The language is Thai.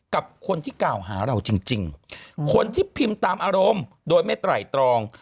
กับคนที่กล่าวหาเราจริงคนที่พิมพ์ตามอารมณ์โดยไม่ไตรตรอง